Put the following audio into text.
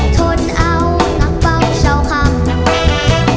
ทนเอาหนักเข้าเช้าคำ